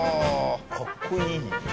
かっこいいね。